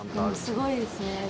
すごいですね。